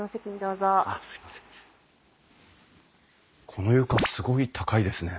この床すごい高いですね。